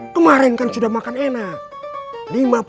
kemarin kan sudah makan enak